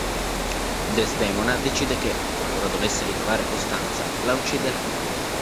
Desdemona decide che, qualora dovesse ritrovare Costanza, la ucciderà.